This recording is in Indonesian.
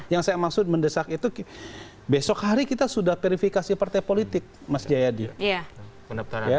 yang saya maksud mendesak itu besok hari kita sudah verifikasi partai politik mas jayadi